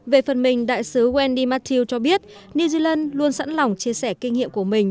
về phần mình đại sứ endy matthew cho biết new zealand luôn sẵn lòng chia sẻ kinh nghiệm của mình